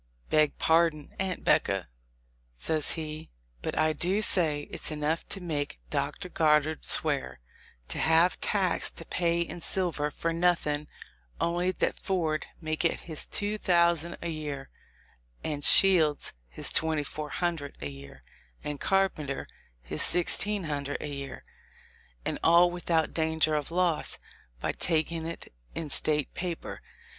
"Beg pardon, Aunt 'Becca," says he; "but I do say it's enough to make Dr. Goddard swear, to have tax to pay in silver, for nothing only that Ford may get his two thousand a year, and Shields his twenty four hundred a year, and Carpenter his sixteen hun dred a year, and all without 'danger of loss' by tak ing it in State paper.